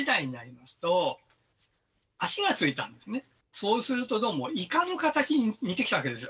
そうするとどうもいかの形に似てきたんですよ。